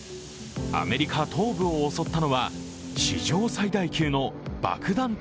アメリカ東部を襲ったのは、史上最大級の爆弾